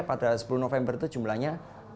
pada sepuluh november itu jumlahnya